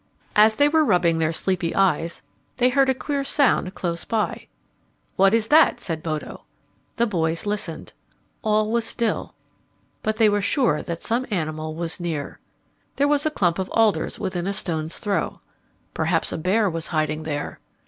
As they were rubbing their sleepy eyes, they heard a queer sound close by. "What is that?" said Bodo. The boys listened. All was still. But they were sure that some animal was near. There was a clump of alders within a stone's throw. Perhaps a bear was hiding there.